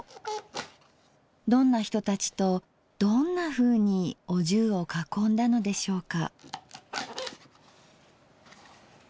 どんな人たちとどんなふうにお重を囲んだのでしょうか。